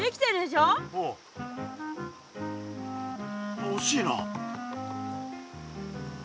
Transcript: あっおしいな。